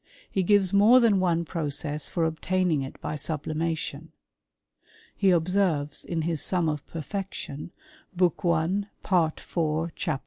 He gives more than one process for obtaining it by sublimation.* He observes in his Sum of Perfection, book i. part iv. chap.